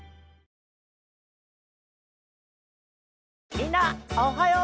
みんなおはよう！